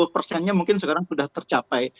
sepuluh persennya mungkin sekarang sudah tercapai